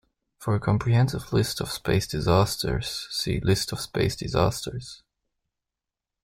For a comprehensive list of space disasters, see List of space disasters.